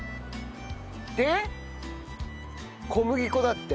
で小麦粉だって。